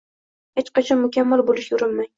Hech qachon mukammal bo’lishga urinmang.